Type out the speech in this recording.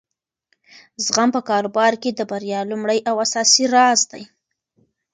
زغم په کاروبار کې د بریا لومړی او اساسي راز دی.